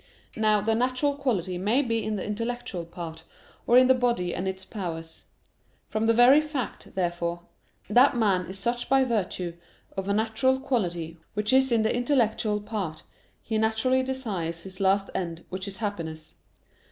Now the natural quality may be in the intellectual part, or in the body and its powers. From the very fact, therefore, that man is such by virtue of a natural quality which is in the intellectual part, he naturally desires his last end, which is happiness.